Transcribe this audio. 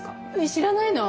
知らないの？